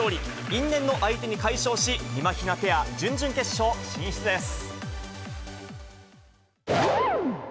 因縁の相手に快勝し、みまひなペア、準々決勝進出です。